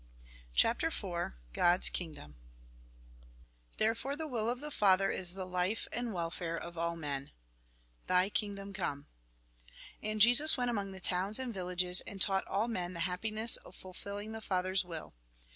CHAPTEE IV GODS KINGDOM Therefore the will of the Father is the life and welfare of all men ("Ibg hing&om come") Mt. ix. 35. 30. V. 1. 2. Lk. vi. 20, 21. 22. 23. And Jesus went camong the towns and villages, and taught all men the happiness of fulfilling the Father's will.